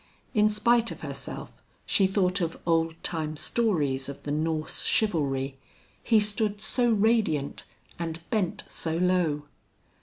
In spite of herself, she thought of old time stories of the Norse chivalry; he stood so radiant and bent so low.